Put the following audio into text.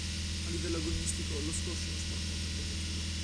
A livello agonistico, lo squash è uno sport molto impegnativo.